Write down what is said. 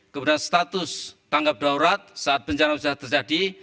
kemudian status tanggap darurat saat bencana sudah terjadi